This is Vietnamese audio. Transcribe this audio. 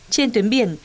trên tuyến biển